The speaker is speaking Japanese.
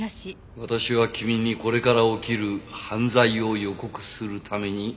私は君にこれから起きる犯罪を予告するためにここに来た。